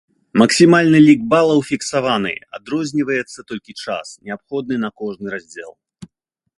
Максімальны лік балаў фіксаваны, адрозніваецца толькі час, неабходны на кожны раздзел.